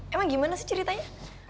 emang gimana sih ceritanya